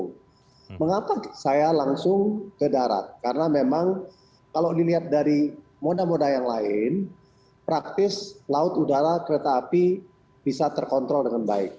nah mengapa saya langsung ke darat karena memang kalau dilihat dari moda moda yang lain praktis laut udara kereta api bisa terkontrol dengan baik